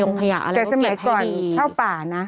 คยองขยะอะไรก็เก็บให้ดีอเรนนี่แต่สมัยก่อนเท่าป่านะ